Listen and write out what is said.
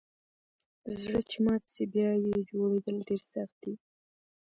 زړه چي مات سي بیا یه جوړیدل ډیر سخت دئ